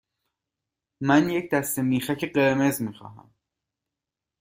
من یک دسته میخک قرمز می خواهم.